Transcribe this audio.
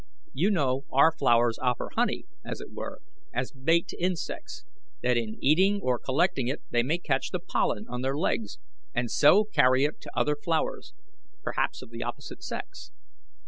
You know our flowers offer honey, as it were, as bait to insects, that in eating or collecting it they may catch the pollen on their legs and so carry it to other flowers, perhaps of the opposite sex.